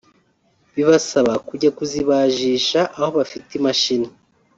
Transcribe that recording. bibasaba kujya kuzibajisha aho bafite imashini